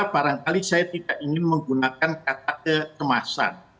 barangkali saya tidak ingin menggunakan kata kecemasan